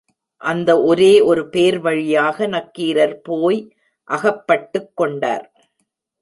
அந்த ஒரே ஒரு பேர்வழியாக நக்கீரர் போய் அகப்பட்டுக் கொண்டார்.